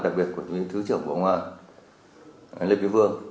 đặc biệt của thứ trưởng bộ ngoan lê bíu vương